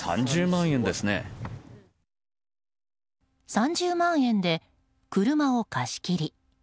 ３０万円で車を貸し切り。